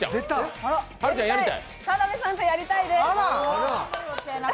田辺さんとやりたいです！